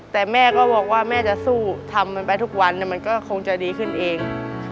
แต่แม่ก็บอกว่าแม่จะสู้ทำมันไปทุกวันมันก็คงจะดีขึ้นเอง